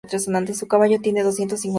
Un caballo tiene doscientos cinco huesos.